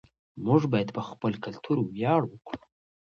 موږ باید په خپل کلتور ویاړ وکړو.